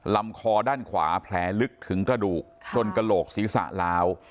ลำคอด้านขวาแผลลึกถึงกระดูกจนกระโหลกศีรษะล้าว